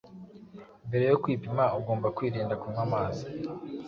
mbere yo kwipima ugomba kwirinda kunywa amazi